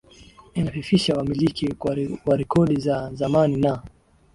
inafifisha wamiliki wa rekodi za zamani na